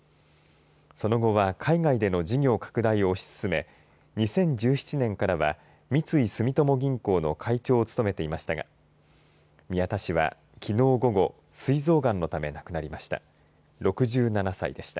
その後は海外での事業拡大を推し進め２０１７年からは三井住友銀行の会長を務めていましたが宮田氏はきのう午後すい臓がんのため亡くなりました。